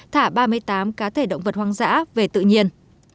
thả ba mươi tám cá thể động vật hoang dã về tự nhiên